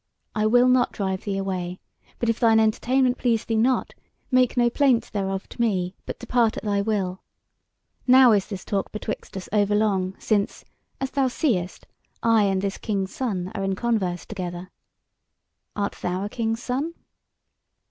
I will not drive thee away; but if thine entertainment please thee not, make no plaint thereof to me, but depart at thy will. Now is this talk betwixt us overlong, since, as thou seest, I and this King's Son are in converse together. Art thou a King's Son?"